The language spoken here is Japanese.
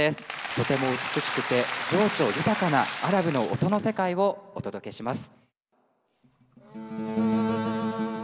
とても美しくて情緒豊かなアラブの音の世界をお届けします。